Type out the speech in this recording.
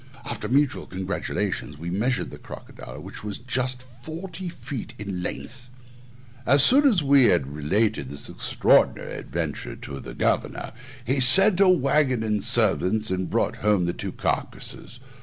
After mutual congratulations, we measured the crocodile, which was just forty feet in length. As soon as we had related this extraordinary adventure to the governor, he sent a waggon and servants, who brought home the two carcases.